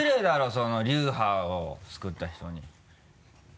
その流派を作った人に。